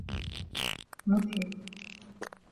مذهل.